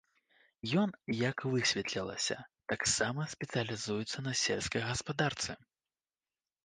Ён, як высветлілася, таксама спецыялізуецца на сельскай гаспадарцы.